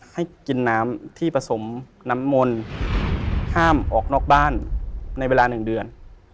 ให้กินน้ำที่ผสมน้ำมนต์ห้ามออกนอกบ้านในเวลา๑เดือน